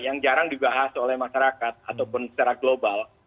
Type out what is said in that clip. yang jarang dibahas oleh masyarakat ataupun secara global